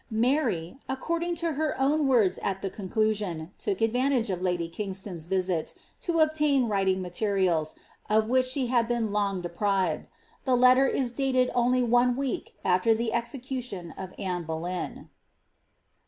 Mary, according to her own words at the conclusion, took advantage of ludy Kingston's visit to obtain writing materials, of which she had bc(^n long deprived. The letter is dated only one week afier the execution of Anne Boleyn.